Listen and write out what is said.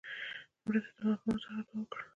مړه ته د ماښام او سهار دعا وکړه